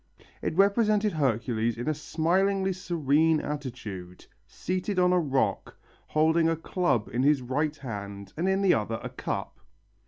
It represented Hercules in a smilingly serene attitude, seated on a rock, holding a club in his right hand and in the other a cup.